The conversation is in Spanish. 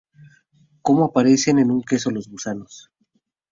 Como aparecen en un queso los gusanos.